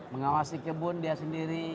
mengawasi kebun dia sendiri